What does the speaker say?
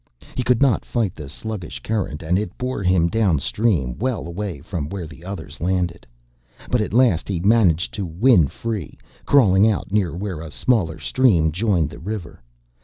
He could not fight the sluggish current and it bore him downstream, well away from where the others landed. But at last he managed to win free, crawling out near where a smaller stream joined the river.